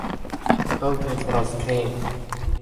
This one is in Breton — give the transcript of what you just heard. paotred vras kreñv.